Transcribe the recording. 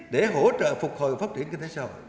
để hỗ trợ phục hồi pháp luật